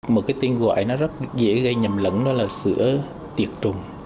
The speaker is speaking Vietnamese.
một cái tên gọi nó rất dễ gây nhầm lẫn đó là sữa tiệt trùng